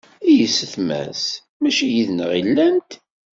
I yessetma-s? Mačči yid-neɣ i llant?